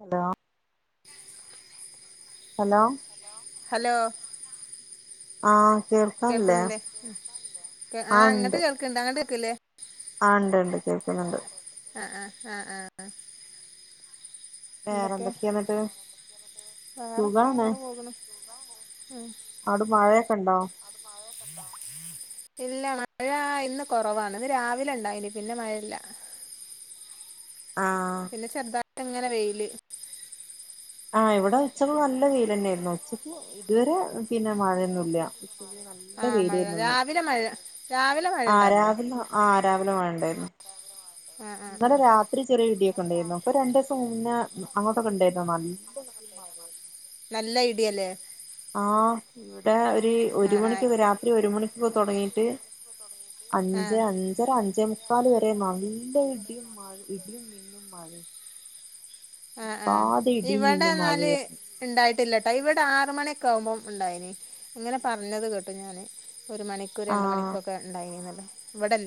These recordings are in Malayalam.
ഹലോ ഹലോ ഹലോ ആ കേൾക്കുന്നില്ലേ ആഹ് ങ്ങട്ട് കേൾക്കണ്ട് അങ്ങട്ട് ക്ക് ലെ ആ ണ്ട് ണ്ട് കേൾക്കുന്നുണ്ട് ആ ആ ആ ആ വേറെന്തൊക്കെയ എന്നിട്ട് സുഖാണ് അടെ മഴയൊക്കെ ഇണ്ടോ ഇല്ല മഴ ഇന്ന് കൊറവാണ് ഇന്ന് രാവിലെ ണ്ടായിനി പിന്നെ മഴയില്ല പിന്നെ ചെർദ എങ്ങനെ വെയില് ആ ഇവിടെ ഉച്ച നല്ല വയിൽ ന്നെയായിരുന്നു വച് ഇതുവരെ പിന്നെ മഴൊന്നുംല്ല നല്ല വെയിൽ ആയിരുന്നു ഇന്ന് ആ രാവിലെ ആ രാവിലെ മഴ ഇ ണ്ടായിരുന്നു ഇന്നലെ രാത്രി ചെറിയ ഇീടിയൊക്കെ ഉണ്ടായിരുന്നു ഇപ്പൊ രണ്ട ദിവസം മുന്നേ അങ്ങോട്ടൊക്കെ ഉണ്ടായിരുന്നു നല്ല ഇടിയും മഴയും ആ ഇവിടെ ഒരു മണിക്കൊക്കെ രാത്രി ഒരു മണിക്കൊക്കെ തുടങ്ങിട്ട് അഞ്ച് അഞ്ചര അഞ്ചമു ക്കാല വരെ നല്ല ദേ ഇടിയും മഴയും ഇടിയും മന്നും മഴയും ആ ആ ഇവിടെ എന്നാല് ഉണ്ടായിട്ടില്ല ഇവിടെ ആറ് മണിയൊക്കെ ആകുമ്പോം ഉണ്ടായിന് ഇങ്ങനെ പറഞ്ഞത് കേട്ടു ഞാന് ഒരു മണിക്കും രണ്ട് മണിക്കും ഒക്കെ ഇണ്ടായിന്നുപറഞ്ഞു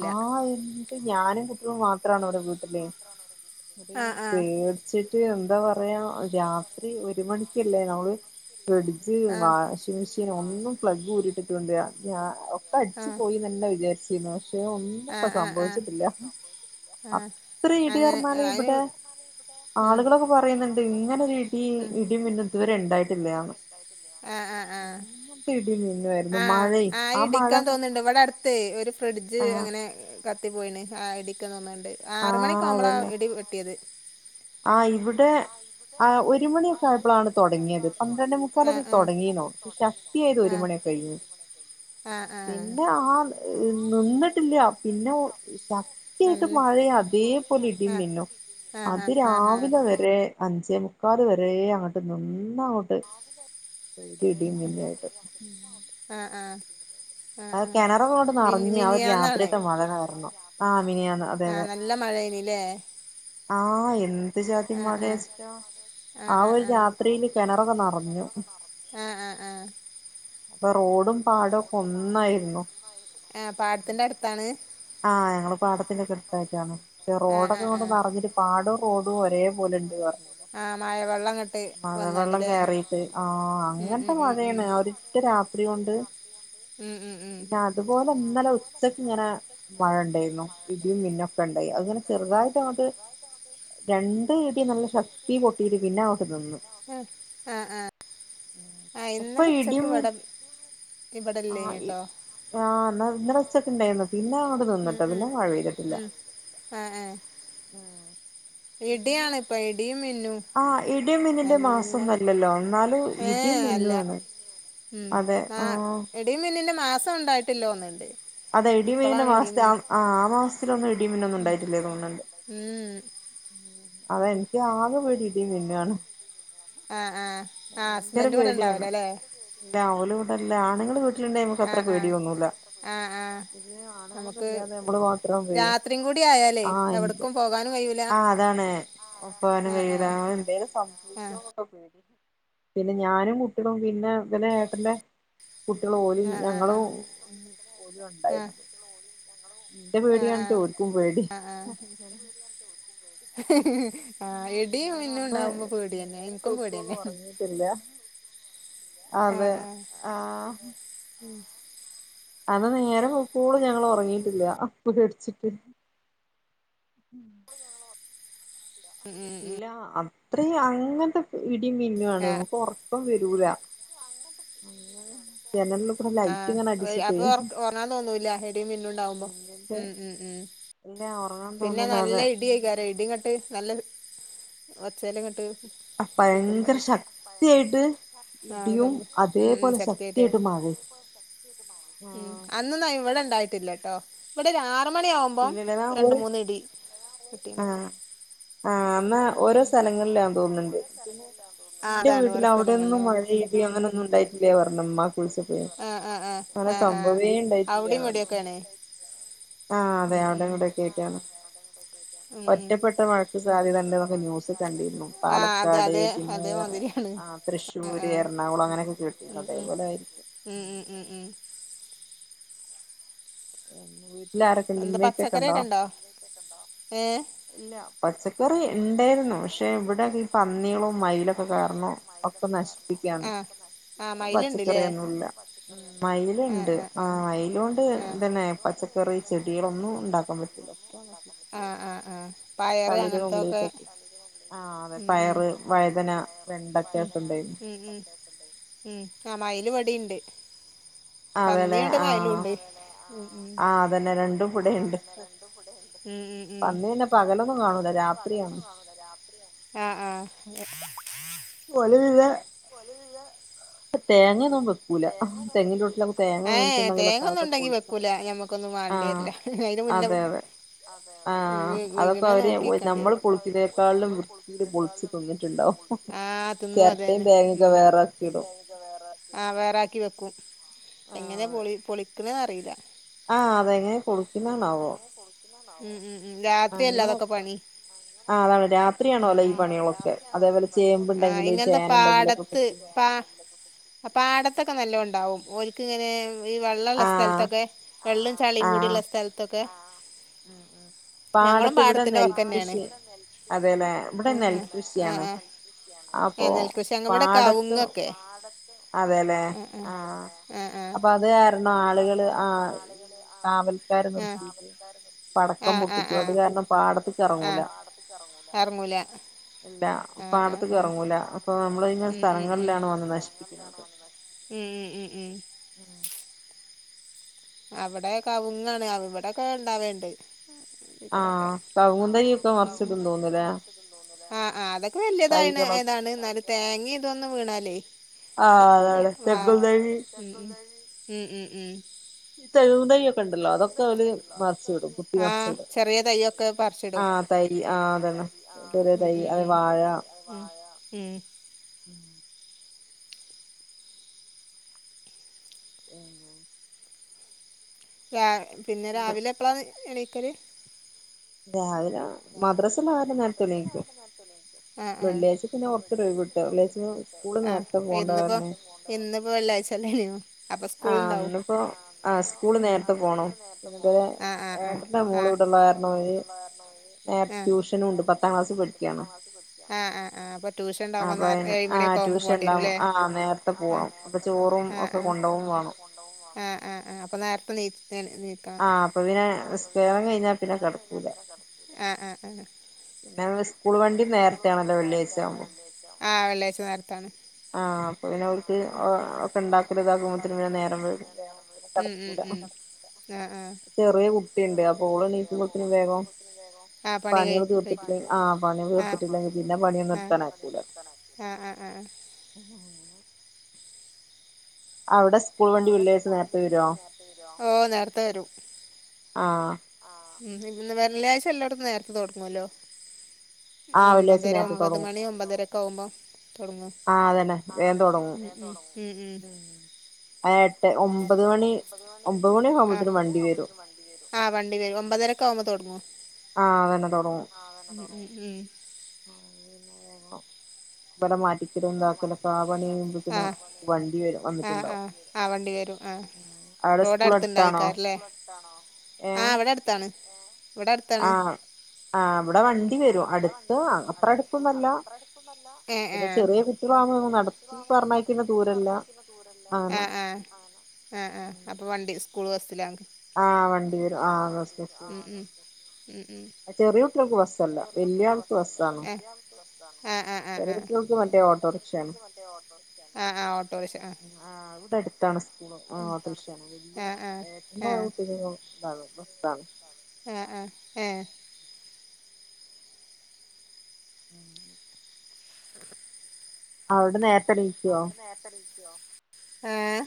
ആഹ് എന്ത് ഞാനും കുട്ടികളും ത്രാണവിടെ വീട്ടില് അത പേടിച്ചിട്ട് എന്താ പറയ അത്രയാ രാത്രി ഒരു മണിക്കല്ലേ നമ്മള് ഫ്രിഡ്ജ് വാഷിംഗ് മെഷീൻ ഒന്നും പ്ലഗ് ഊരിട്ടില്ല ഞാൻ ഓക്കേ ഓക്കേ അടിച്ചു പോയിന്ന് തന്നെ വിചാരിച്ചിരുന്നു പക്ഷേ ഒന്നും ഇ സംഭവിച്ചിട്ടില്ല അത്ര ഇടി പറഞ്ഞാല് ഇവിടെ ആളുകളൊക്കെ പറയുന്നുണ്ട് ഇങ്ങനൊ ഇടി ഇടിയുംമിന്നാലും ഇപ്പൊ രണ്ടായി ആ ആഹ് ആഹ ആഹ ആ ഇടിക്കാൻ തോന്നുന്നുണ്ട് ഇവിടെ അടുത്ത് ഒരു ഫ്രിഡ്ജ ഇത് അങ്ങനെ കത്തി പോയിണ് ആ ഇടിക്കന്നോന്നണ്ട് ആറ മണിക്ക് ആകവുമ്പോളാ ഇടി വെട്ടിയത് ആ ഇവിടെ ആ ഒരു മണി ഒക്കെ ആയപ്പോളാണ് തുടങ്ങിയത് പന്ത്രണ്ട് മുക്കാലത് തുടങ്ങിയന്നോ ശക്തിയായത് ഒരു മണിയൊക്കെ കഴിഞ്ഞ് പിന്നെ ആ നിന്നിട്ടില്ല പിന്നെ ശക്തിയായിട്ട് മഴയാ അതേപോലെ ഇടിയും മിന്നും രാവിലെ വരെ അഞ്ചേ മുക്കാല് വരെ അങ്ങട്ട് നിന്ന് ആഹ ആഹ ആ കിണർ തൂക്കി നറഞ്ഞ ഒരു രാത്രിയത്തെ മഴ കാരണം ആ അമിനിയന്ന് അതെ അതെ ലേ ആഹ എൻ എന്ത് ജാതി മഴയ ആ ഒരു രാത്രിയില് കിണർ ഒക്കെ നിറഞ്ഞു ആ പാടത്തിന്റെ അടുത്താണ് ആഹ് ഞങ്ങൾ പാടത്തിന്റെറ ക്കെടുത്തായിട്ടാണ് പക്ഷെ റോഡൊക്കെ നിറിഞ്ഞിട്ട് പാടവും റോഡും ഒരേ പോലെണ്ട് ന്ന് മഴവെള്ളം കയറീട്ട് ആഹ അങ്ങനത്തെ മഴയാണ് ആ ഒരറ്റ രാത്രി എത്ര ഉണ്ട് [unintelligible] ഉം ഉം ഉം ഇന്നലെ ഉച്ചക്ക് ഇങ്ങനെ മഴ ഇണ്ടായിര്ന്നു ഇടിം മിന്നൊക്കെ ഇണ്ടായി അത്ങ്ങനെ ചെറുതായിട്ട് അത് രണ്ട് ഇടി നല്ല ശക്തി തീ പൊട്ടിട്ട് പിന്നെ ഇപ്പ നിന്ന് ഇപ്പ ഇടിം മി ആഹ് ആഹ് ഇന്നലെ ഉച്ചക്ക് ഇണ്ടായിന്നു പിന്നെ അങ്ങോട്ട് ന്നിന്ന്ട്ടോ പിന്നെ മഴ പെയ്തിട്ടില്ല പിന്നെ ആഹ് ഇടിം മന്നിന്റെ മാസം ന്നൊല്ലല്ലോ ഇന്നാലും ഇടിം മിന്നു ആണ് അതെ ആഹ് നിന്റെ മാസം ഇണ്ടായിട്ടില്ലാന്ന്ണ്ട് അതെ ഇടിമിന്നിന്റെ മാസ്ത്തെ ആഹ് ആഹ് മാസത്തിലൊന്നും ഇടിമിന്നും ഒന്നും ഇണ്ടായിട്ടില്ലേ തോന്ന് ണണ്ട് അതെ എനിക്ക് ആകെ പേടി ഇടിയും മിന്നും ആണ് അഹ് ഭയങ്കര പേടിയാണ് രാവലും അല്ല ആണുങ്ങൾ ഇവിടുത്തെ- വീട്ടിൽ ഇണ്ടെങ്കിൽ നമ്മക്ക് അത്ര പേടി ഒന്നും ഇല്ല ആണുങ്ങൾ ഒന്നുമില്ലാതെ നമ്മള് മാത്രമാകുമ്പോൾ ആ ആ അതാണ്‌ എന്തെങ്കിലും സംഭവിക്കോ എന്നൊക്കെ പേടി- പിന്നെ ഞാനും കുട്ടികളും പിന്നെ ഇവിടെ ഏട്ടന്റെ- കുട്ടികൾ ഓലും ഞങ്ങളും ഓലും ഉണ്ടായിരുന്നത് എന്റെ പേടിയാണ് ട്ടോ ഓൽക്കും പേടി [unintelligible] ആ ഇങ്ങനെ അന്ന് നേരം വെളുത്തോളും ഒറങ്ങിട്ടില്ല അതെ ആ അത് നേരെ വെ പൂള് ഞങ്ങള് ഒറങ്ങിയിട്ടില്ല കോതുകടിച്ചിട്ട് ഇല്ല അ അത്രേ അങ്ങന ഇടി മിന്നാണ് അപ്പോ ഒറക്കം വരൂ തരൂല ആ അപ്പോ ഒറ ഒറങ്ങാൻ തോന്നൂല്ല ഇടിയും മിന്നലും ഉണ്ടാവുമ്പോ ഉം ഉം ഉം പിന്നെ നല്ല ഇടിയായി [unintelligible] ഇടി നല്ല ഒച്ചേല കേട്ട് ഭയങ്കര ശക്തിയായിട്ട് ആ ഉം ഉം ശക്തിയായിട്ടായിരുന്നു ഉം അന്നൊന്നും ഇവിടെ ഇണ്ടായിട്ടില്ലട്ടോ ഇവിടെ രാ മണിയാവുമ്പോം രണ്ട് മൂന്ന് ഇടി കിട്ടീ ആ അതാണ് ഓരോ സ്ഥലങ്ങളാണ് ആ ആ ആ ആ ആ അവിടയും ഇവടെം ഒക്കെ ആണ് ആ അതെ അവിടെ ഇവിടെം ഒക്കെ ആയിട്ടാണ് ഒറ്റപ്പെട്ട മഴക്ക് സാധ്യത ഉണ്ട്ന്ന് ന്യൂസ് കണ്ടിരുന്നു പാലക്കാട് പിന്നെ വേറെ തൃശ്ശൂര് എറണാകുളം അങ്ങനെയൊക്കെ കേട്ടിരുന്നു അതേപോലെ ആയിരിക്കും എങ്ങനെ എല്ലാരെക്കെല്ലും [unintelligible] ഉണ്ടോ ഏ ഇല്ല പച്ച ക്കറി ഇണ്ടെര്ന്നു പക്ഷെ ഇവിടെ പന്നിയോളും മയിലൊക്കെ കാരണോ ഒക്കെ നശിപ്പിക്കയാണ് ഇപ്പ പച്ചക്കറിയോന്നുല്ല ഉം മയിലിണ്ട് ആ മയിലോണ്ട്തന്നെ പച്ചക്കറി ചെടിളൊന്നും ഉണ്ടാക്കാൻ പറ്റില്ല [inaudible] പയറ് അങ്ങൻത്തൊക്കെ ആ അതെ പയറ് വഴുതന വെണ്ടക്ക ഒക്കെ ഇണ്ടായിരുന്നു ടിണ്ട് ആതെല്ലെ ആ ആ അതന്നെ രണ്ടും ഉം ഉം ആ ആ ഓല് പിന്നെ തേങ്ങന്ന് പെർ എ ഏ തേങ്ങ ഒന്നും ഉണ്ടെങ്കി വെക്കൂല ഞമ്മക്കൊന്നും വാണ്ടിര്ല അയിന് മുന്നേ വ് വീക്ണ നോക്കിക്കണ്ടി വരും. തിന്നു അതന്നെ ഉം. ആ വേറാക്കി വെക്കും. എങ്ങനെ പൊളി പൊളിക്ക്ണെ നർ റീല ആ അതെങ്ങനെ പൊളിക്കുന്നണാവോ ഉം ഉം. അങ്ങനെയൊക്കെ ആ അതാണ് രാത്രിയാണല്ലോ ഈ പണികളൊക്കെ അതേപോലെ ചേമ്പ് ഉണ്ടെങ്കില് ചേന ഉണ്ടെങ്കിലൊക്കെ കുത്തി നിറച്ചു പാടത്തക്കെ നല്ലോണ്ടാവും ഓൽക്ക് ങ്ങനെ ഈ വെള്ളള്ള സ്ഥലത്തൊക്കെ വെള്ള് ചളിയും കൂടിള്ള സ്ഥലത്തൊക്കെ പാടത്ത് ഇവിടെ നെൽകൃഷി അതെല്ലെ ഇവിടെ നെൽകൃഷിയാണ് അപ്പോ പാടത്ത് ആഹ് ആഹ് ആഹ് ആഹ് ആഹ് ആഹ് ആഹ് ആഹ് ആഹ് ഇറങ്ങൂല ആഹ് ആഹ് ആഹ് ഉം ഉം ഉം. ഉം ഉം ഉം. അവിടെ കവുങ്ങാണ് ഇവിടെക്കെ ഉണ്ടാവൽണ്ട്. ആകവുങ്ങും തൈ ഒക്കെ മറച്ചിട്ടും തോനുലെ ആ ആ അതൊ ത്ര വലിയതാണ് താണ് എന്നാലും തേങ്ങ ഇതൊന്നും വീണാൽ ഒക്കൂല വ അതെ അതെ തെങ്ങും തെയ് ഉം ഉം ഉം. തേങു - തേങ്ങത്തയി ഉണ്ടല്ലോ അതെക്കെ ഓൽ ആഹ് ചെറിയ തൈ ഒക്കെ പറിച്ചിടും. അ തായ് അ അതന്നെ ഉം ചെറിയ ഉം തായ് വായ ഉം [inaudible] [unintelligible] [unintelligible] പിന്നെ രാവിലെ എപ്പള എണി - ക്കല് രാവി രാവിലെ മദ്രസ [unintelligible] നേരത്തെ എണീക്കും ആ ആ വെള്ളിയാഴ്ച പിന്നെ കൊറച്ചൊരു ഒഴിവ് കിട്ടആഇന്നിപ്പോ ഇന്നിപ്പോ വെള്ളിയാഴ്ചല്ലേനേ അപ്പൊ സ്കൂളണ്ടാവും അ ഇന്ന് പ്പ അ സ്കൂൾ നേരത്തെ പോവണം ആഹ ആഹ ആഹഅ ആഹ് ആഹ്. ഏ ട്യൂഷനും ഉണ്ട് പത്താം ക്ലാസിൽ പഠിക്കാണ്. ആ ആ ആ പത് അപ്പ അയിന് ആ ട്യൂഷൻ ണ്ടാവും ആ നേർത്തെ പോണം അപ്പൊ ചോറും ഒക്കെ കൊണ്ടോവുവേണം. ൻ എണീക്ക അ അപ്പ പിന്നെ നിസ്കാരം കഴിഞ്ഞ പിന്നെ കെടുകുല അ അ അ പിന്നെ സ്കൂൾ വണ്ടി നേരത്തെ ആണല്ലോ വെള്ളിയാഴ്ച ആവുമ്പോ. ആ വെള്ളിയാഴ്ച നേരത്താണ്. അ പിന്നെ ഒൽക് ഏ ഒക്കെ ഇണ്ടാക്കലും ഇതാക്കുമ്പോത്തിന് നേരംവേം വെയ്ക്കും കെടക്കുല ഉം ഉം ഉം ആ ആ ചെറിയ കുട്ടി അല്ലെഅപ്പ ഓൾ എണീ ക്കുമ്പോത്തിന് വേഗം പണികൾ തീർത്തിട്ടില്ലെങ്കി ആ പണി തീർത്തിട്ടില്ലെങ്കിൽ പിന്നെ പണിയൊന്നും എടുക്കാനായിക്കൂല. [unintelligible] [inaudible] അവിടെ സ്കൂൾ വണ്ടി നേരത്തെ വരേ ഓ നേരത്തെ വരും അ ഉം ന്ന് വെള്ളിയാഴ്ച എല്ലായിടത്തും നേരത്തെ തൊടങ്ങുല്ലോ. ഒമ്പതര ഒമ്പത് മണി ഒമ്പതരക്ക് കാവുമ്പം തൊടങ്ങും അതെനെ വേം തൊടങ്ങും ഉം ഉം ആ ആ വണ്ടി വരും ഒമ്പതരാക്കാവുമ്പ തൊടങ്ങും. ആ അതന്നെ തൊടങ്ങും. ഇവിടെ മറ്റ് ആ ആ ആ ആ വണ്ടി വരും ആ റോഡടുത്തണ്ടായിക്കാാരല്ലേ ആ വടെ അടുത്താണ്. ഇവിടെ അടുത്താണ്. ആ ആ ആ ആ അപ്പ വണ്ടി സ് സ്കൂള് ബസിലാണ്. ആ വണ്ടി വരും ആ ബസ് ബസ് വരും. ആ ചെറിയൂട്ട്യോൾക്ക് ബസ് തല്ല വല്യാൾക്ക് ബസാണ് ചെറിയ കുട്ടികൾക്ക് മറ്റേ ഓട്ടോറിക്ഷയാണ് ആ ഇവിടെ അടുത്താണ് സ്കുള് ആ ഓട്ടോറിക്ഷാണ് വെല്ല്യ ഏട്ടന്റെ കുട്ടികകൊക്കെ ഇതാണ് ബസാണ്. ആ ആ ഏ [unintelligible] അവിടെ നേരത് അവിടെ നേരത്തെണി ഏ?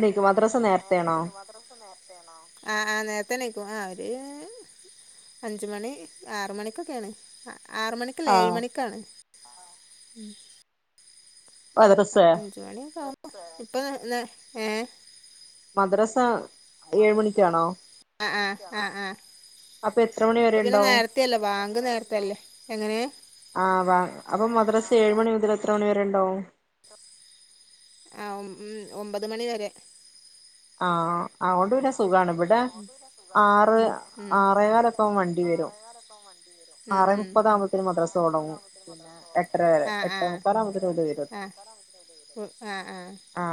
[unintelligible] ത്തെണീക്കും ആ ഒര് അഞ്ച് മണി ആറ്മണിക്കൊക്കേണ് ആ ആറ് മണിക്കല്ല ഏഴ് മണിക്കാണ് [unintelligible] അഞ്ചുമണിയൊക്കാവും ഏ ഇപ്പൊ നേ ഏഹ് മദ്റസ ഏഴ് മണിക്കാണോ? അപ്പൊ എത്ര മണി വരെണ്ടാവും? ആ വ അപ്പൊ മദ്റസ ഏഴുമണി മുതല് തണിയെരെണ്ടാവും? ആ ഉം ഒമ്പത് മണി വരെ ആ അ ഓണ്ട് രസ് ഓണ്ട് പിന്നെ സുഖാണ് ഇവിടെ ആറ് ആറേ കാലൊക്കാവുമ്പം വൺ ആറേ മുപ്പതാവുംബത്തിന് മദ്രാസ തുടങ്ങും പിന്നെ എട്ടര വരെ എട്ടേ മുക്കാലാവുംബത്തിന് ഇങ്ങട്ട് വരും. ആ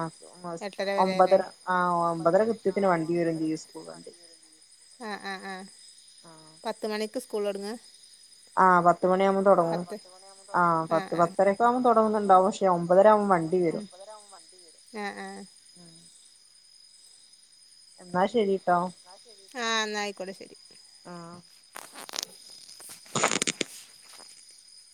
ഒമ്പതര ആ ഒമ്പതര കൃത്യത്തിന് വണ്ടി വരും ചെയ്യും ആ ആ ആ പത്ത് മണി ക്ക് സ്കൂളൊട്ങ്ങ ആ പത്ത് മണവുമ്പോ തോടങ്ങും അ ആ ആ പത്ത് പത്തെരൊക്കെ ആകുമ്പം തൊടങ്ങി ണ്ടാകുംക്ഷേഒമ്പതര ആകുമ്പം വണ്ടി വരും എന്നാ ശരി ട്ടോ ആഹ് എന്നാ ആയിക്കോട്ടെ ശരി ആഹ് [unintelligible] [unintelligible] [unintelligible]